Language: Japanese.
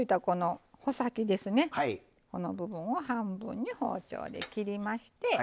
この部分を半分に包丁で切りまして。